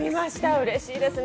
うれしいですね。